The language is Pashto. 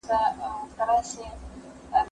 دا ترتيب له هغه ګټور دی،